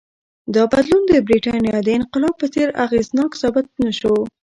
دا بدلون د برېټانیا د انقلاب په څېر اغېزناک ثابت نه شو.